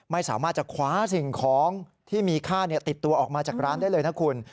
ไม่สามารถจะคว้าสิ่งของที่มีค่าติดตัวออกมาจากร้านได้เลยนะคุณ